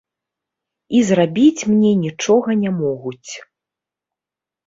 І зрабіць мне нічога не могуць.